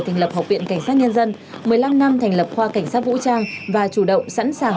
thành lập học viện cảnh sát nhân dân một mươi năm năm thành lập khoa cảnh sát vũ trang và chủ động sẵn sàng